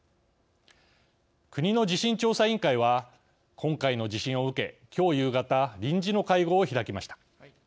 国の地震調査委員会は今回の地震を受けきょう夕方臨時の会合を開きました。